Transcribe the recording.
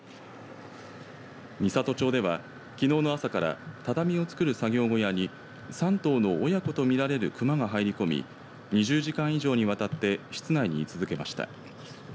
美郷町ではきのうの朝から畳を作る作業小屋に３頭の親子と見られる熊が入り込み２０時間以上にわたって室内に居続けました。